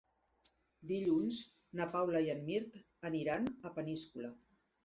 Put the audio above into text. Dilluns na Paula i en Mirt aniran a Peníscola.